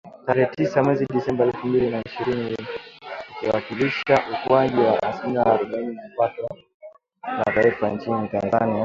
Tarehe tisa mwezi Disemba elfu mbili na ishirini, ikiwasilisha ukuaji wa asilimia arobaini ya pato la taifa nchini Tanzania